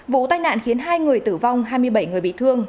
vụ tai nạn khiến hai người tử vong hai mươi bảy người bị thương